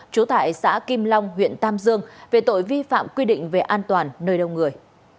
trú tại xã kim long huyện tam dương về tội vi phạm quy định về an toàn nơi đông người